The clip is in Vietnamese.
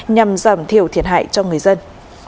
nhằm giảm thiểu thiệt hại cho người dân